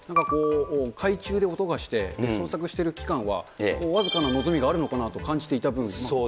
海中で音がして、捜索してる期間は、僅かな望みがあるのかなと感じていた分。